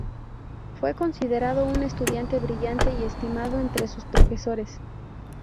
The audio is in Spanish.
Fue considerado un estudiante brillante y estimado entre sus profesores.